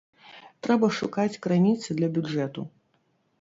Трэба шукаць крыніцы для бюджэту.